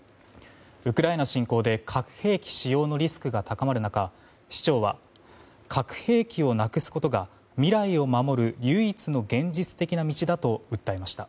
ウクライナ侵攻で核兵器使用のリスクが高まる中市長は、核兵器をなくすことが未来を守る唯一の現実的な道だと訴えました。